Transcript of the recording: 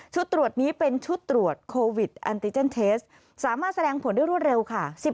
ตรวจนี้เป็นชุดตรวจโควิดแอนติเจนเทสสามารถแสดงผลได้รวดเร็วค่ะ